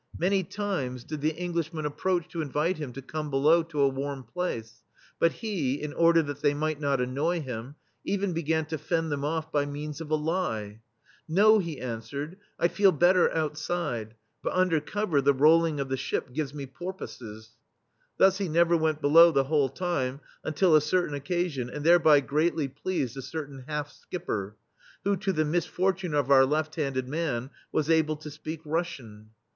Many times did the [8i ] THE STEEL FLEA Englishmen approach to invite him to come below to a warm place ; but he, in order that they might not annoy him, even began to fend them off by means of a lie, "No, he answered, "I feel better outside — but under cover the rolling of the ship gives me porpoises/' Thus he never went below the whole time, until a certain occasion, and thereby greatly pleased a certain half skipper,* who, to the misfortune of our left handed man, was able to speak Rus sian.